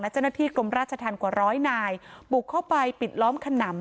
เจ้าหน้าที่กรมราชธรรมกว่าร้อยนายบุกเข้าไปปิดล้อมขนำ